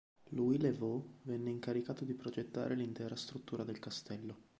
Louis Le Vau venne incaricato di progettare l'intera struttura del castello.